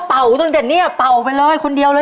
เอาปะไหวปะ